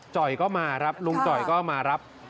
่อยก็มาครับลุงจ่อยก็มารับ